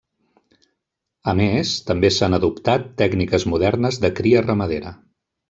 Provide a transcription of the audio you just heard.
A més, també s'han adoptat tècniques modernes de cria ramadera.